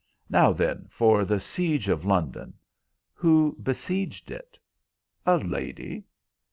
Now, then, for the siege of London. Who besieged it?" "A lady."